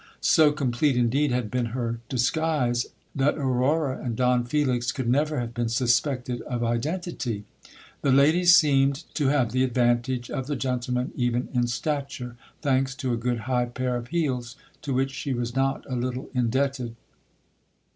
So complete indeed had been her disguise that Aurora and Don Felix could never have been suspected of iden tity. The lady seemed to have the advantage of the gentleman even in stature, thanks to a good high pair of heels, to which she was not a little indebted.